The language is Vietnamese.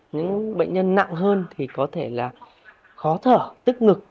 những bệnh nhân nặng hơn thì có thể là khó thở tức ngực